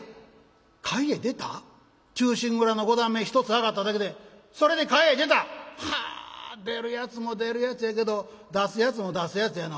『忠臣蔵』の五段目一つ上がっただけでそれで会へ出た？はあ出るやつも出るやつやけど出すやつも出すやつやな。